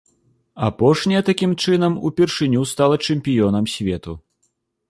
Апошняя, такім чынам, упершыню стала чэмпіёнам свету.